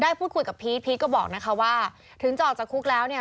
พูดคุยกับพีชพีชก็บอกนะคะว่าถึงจะออกจากคุกแล้วเนี่ย